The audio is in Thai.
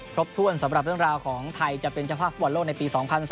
ครบถ้วนสำหรับเรื่องราวของไทยจะเป็นเจ้าภาพฟุตบอลโลกในปี๒๐๑๘